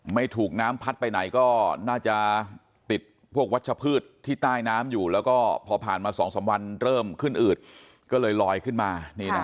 ไม่ถูกน้ำพัดไปไหนก็น่าจะติดพวกวัชพืชที่ใต้น้ำอยู่แล้วก็พอผ่านมา๒๓วันเริ่มขึ้นอืดก็เลยลอยขึ้นมา